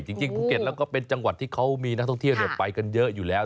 จริงภูเก็ตแล้วก็เป็นจังหวัดที่เขามีนักท่องเที่ยวไปกันเยอะอยู่แล้ว